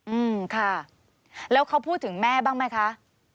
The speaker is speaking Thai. อืมค่าแล้วครับคนพูดถึงแม่บ้างไหมค่ะ